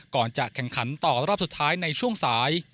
ก่อนจะแข่งขันต่อรอบสุดท้ายในช่วงสาย